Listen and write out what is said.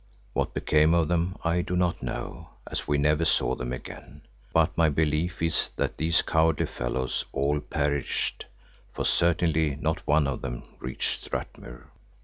What became of them I do not know, as we never saw them again, but my belief is that these cowardly fellows all perished, for certainly not one of them reached Strathmuir.